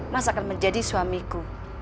mas akan menjadi suamiku